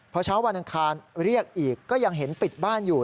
พอเช้าวันอังคารเรียกอีกก็ยังเห็นปิดบ้านอยู่